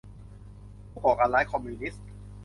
ผู้ก่อการร้ายคอมมิวนิสต์